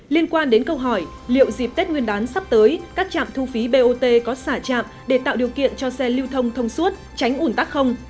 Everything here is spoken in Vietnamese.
liên quan đến câu hỏi liệu dịp tết nguyên đán sắp tới các trạm thu phí bot có xả trạm để tạo điều kiện cho xe lưu thông thông suốt tránh ủn tắc không